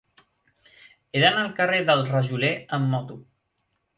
He d'anar al carrer del Rajoler amb moto.